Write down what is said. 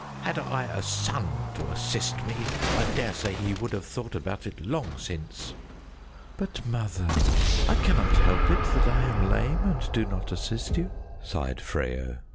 Had I a son to assist me, I daresay he would have thought about it long since." "But, Mother, I cannot help it that I am lame and do not assist you," sighed Freyo.